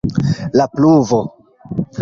La pluvo.